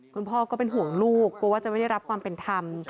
ก็เป็นห่วงลูกกลัวว่าจะไม่ได้รับความเป็นธรรม